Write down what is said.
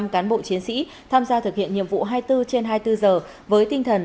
một trăm linh cán bộ chiến sĩ tham gia thực hiện nhiệm vụ hai mươi bốn trên hai mươi bốn giờ với tinh thần